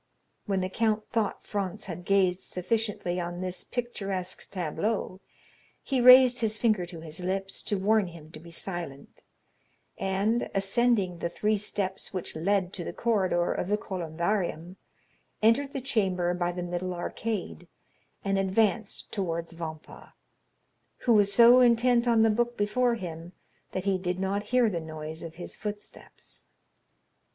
When the count thought Franz had gazed sufficiently on this picturesque tableau, he raised his finger to his lips, to warn him to be silent, and, ascending the three steps which led to the corridor of the columbarium, entered the chamber by the middle arcade, and advanced towards Vampa, who was so intent on the book before him that he did not hear the noise of his footsteps.